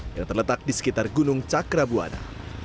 yang terletak di sekitar gunung cakrabuana